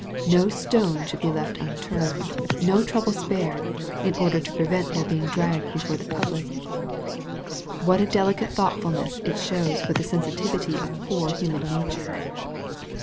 No stone should be left unturned, no trouble spared, in order to prevent their being dragged before the public. — What a delicate thoughtfulness it shows for the sensitiveness of poor human nature